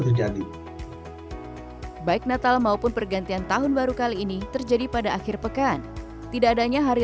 terjadi baik natal maupun pergantian tahun baru kali ini terjadi pada akhir pekan tidak adanya hari